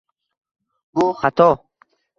Bu xato.